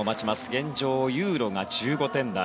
現状、ユーロが１５点台。